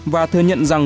và thừa nhận rằng